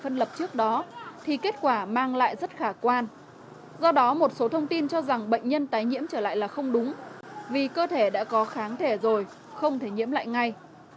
nhưng mà người ta dùng để phân lập trước đó thì kết quả mang lại rất khả quan do đó một số thông tin cho rằng bệnh nhân tái nhiễm trở lại là không đúng vì cơ thể đã có kháng thể rồi không thể nhiễm lại ngay